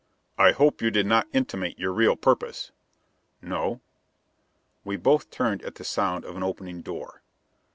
"I hope you did not intimate your real purpose?" "No." We both turned at the sound of an opening door.